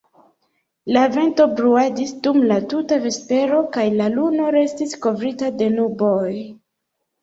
La vento bruadis dum la tuta vespero, kaj la luno restis kovrita de nuboj.